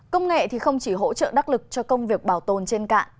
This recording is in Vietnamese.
công nghệ thì không chỉ hỗ trợ đắc lực cho công việc bảo tồn trên cạn